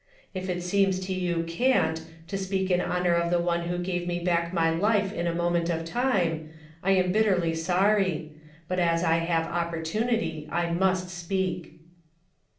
If it seems to yon » eant ' to speak in honor of the one who gave me back my life in a moment of time, I am bitterly sorry ; but as I have opportunity, I must speak."